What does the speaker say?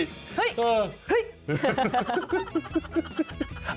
เฮ้ยเฮ้ย